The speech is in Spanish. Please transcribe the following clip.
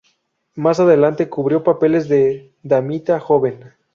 Más adelante cubrió papeles de damita joven.